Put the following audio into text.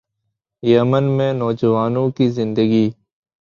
یمن میں نوجوانوں کی زندگی